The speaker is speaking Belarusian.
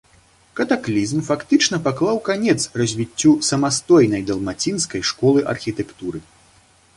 Катаклізм фактычна паклаў канец развіццю самастойнай далмацінскай школы архітэктуры.